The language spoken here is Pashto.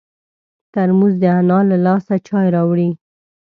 ترموز د انا له لاسه چای راوړي.